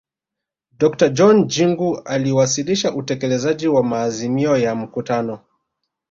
dokta john jingu aliwasilisha utekelezaji wa maazimio ya mkutano